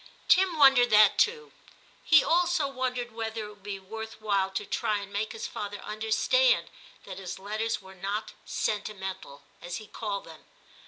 Tim wondered that too ; he also wondered whether it would be worth while to try and make his father understand that his letters were not * sentimental,' as he called them.